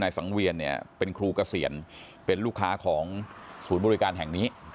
สังเวียนเนี่ยเป็นครูเกษียณเป็นลูกค้าของศูนย์บริการแห่งนี้